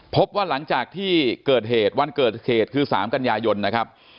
พบว่าหลังจากที่เกิดเหตุวันเกิดเหตุคือ๓กันยายนนะครับ